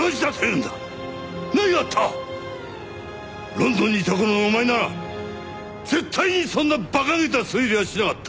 ロンドンにいた頃のお前なら絶対にそんな馬鹿げた推理はしなかった。